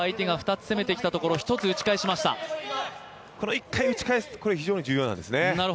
１回打ち返す、これは非常に重要なんですね。